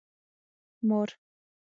🪱 مار